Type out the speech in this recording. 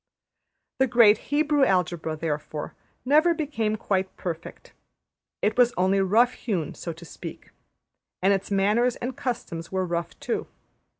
The great Hebrew Algebra, therefore, never became quite perfect. It was only rough hewn, so to speak; and its manners and customs were rough too.